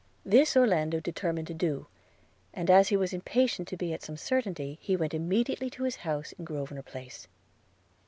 This Orlando determined to do; and as he was impatient to be at some certainty, he went immediately to his house in Grosvenor Place.